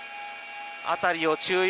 辺りを注意